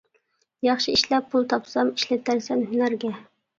ياخشى ئىشلەپ، پۇل تاپسام، ئىشلىتەرسەن ھۈنەرگە.